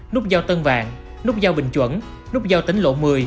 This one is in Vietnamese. nút giao tân vạn nút giao bình chuẩn nút giao tỉnh lộ một mươi